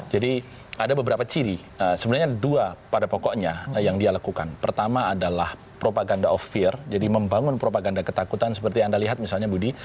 jadi ada beberapa ciri sebenarnya dua pada pokoknya yang dia lakukan pertama adalah propaganda of fear jadi membangun propaganda ketakutan seperti anda lihat misalnya budi